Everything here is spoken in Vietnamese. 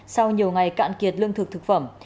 sau nhiều ngày cạn kiệt lương thực thực phẩm